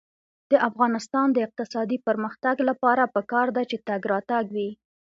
د افغانستان د اقتصادي پرمختګ لپاره پکار ده چې تګ راتګ وي.